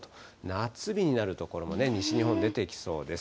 夏日になる所もね、西日本出てきそうです。